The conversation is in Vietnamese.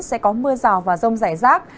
sẽ có mưa rào và rông rải rác